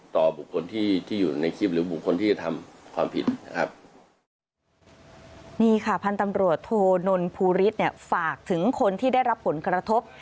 ต่อบุคคลที่อยู่ในคลิปหรือบุคคลที่ทำความผิดนะครับ